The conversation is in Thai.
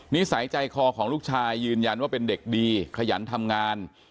นิสัยใจคอของลูกชายยืนยันว่าเป็นเด็กดีขยันทำงาน